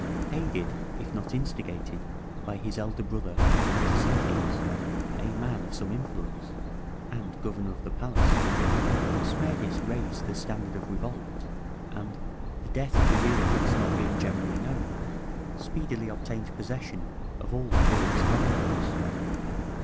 Aided, if not instigated, by his elder brother, Patizithes, a man of some influence, and Governor of the Palace, Smerdis raised the standard of revolt, and, the death of the real prince not being generally known, speedily obtained possession of all the royal strongholds.